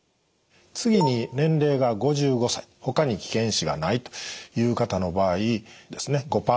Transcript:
次に年齢が５５歳ほかに危険因子がないという方の場合ですね